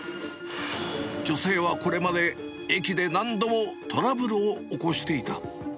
女性はこれまで、駅で何度もトラブルを起こしていた。